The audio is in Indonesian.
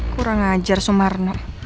kurang ajar sumarno